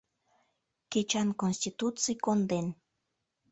Кечан Конституций конден.